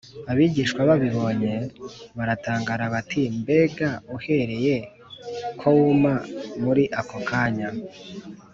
Abigishwa babibonye baratangara bati “Mbega uhereye ko wuma muri ako kanya?”